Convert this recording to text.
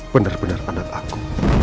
benar benar anak aku